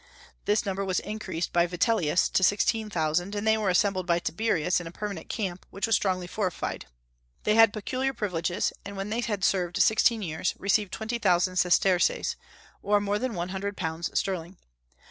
This number was increased by Vitellius to sixteen thousand, and they were assembled by Tiberius in a permanent camp, which was strongly fortified. They had peculiar privileges, and when they had served sixteen years received twenty thousand sesterces, or more than one hundred pounds sterling.